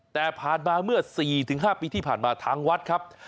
แต่ผ่านมาเมื่อ๔๕ปีที่ผ่านมาทางวัดครับ